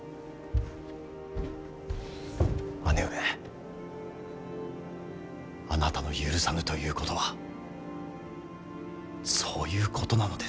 姉上あなたの許さぬということはそういうことなのです。